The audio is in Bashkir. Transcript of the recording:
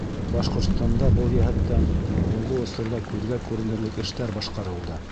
Башҡортостанда был йәһәттән һуңғы осорҙа күҙгә күренерлек эштәр башҡарылды.